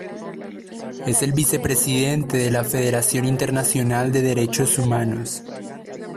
Es el vicepresidente de la Federación Internacional de Derechos Humanos.